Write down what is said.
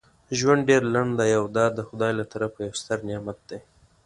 ژوند ډیر لنډ دی او دا دخدای له طرفه یو ستر نعمت دی.